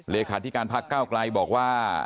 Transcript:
เลขาธิการพักก้าวไกลบอกว่า